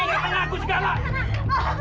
ayah aku mencuri perhiasanku